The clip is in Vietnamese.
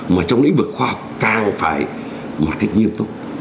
mà trong lĩnh vực khoa học càng phải một cách nghiêm túc